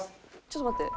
ちょっと待って。